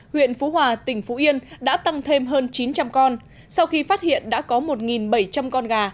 huyện phú hòa tỉnh phú yên đã tăng thêm hơn chín trăm linh con sau khi phát hiện đã có một bảy trăm linh con gà